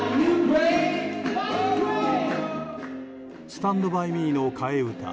「スタンド・バイ・ミー」の替え歌